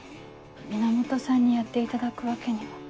源さんにやっていただくわけには。